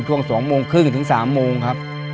ช่วง๒โมงครึ่งถึง๓โมงครับ